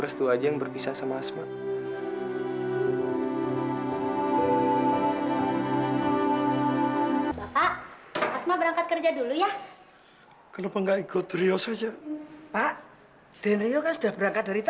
asma berangkat kerja dulu ya kenapa enggak ikut rio saja pak denrio kan sudah berangkat dari tadi